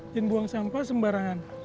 dan buang sampah sembarangan